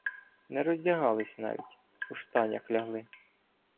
Не роздягалися навіть - у штанях лягли.